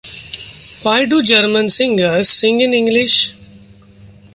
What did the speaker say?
Why do German singers sing in English?